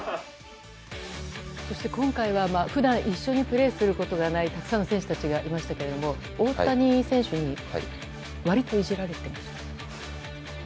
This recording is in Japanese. そして今回は普段一緒にプレーすることがないたくさんの選手たちとやっていましたけど大谷選手に割といじられてました？